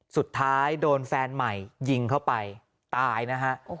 สุดท้ายโดนแฟนใหม่ยิงเข้าไปตายนะฮะ